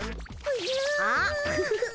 あフフフ。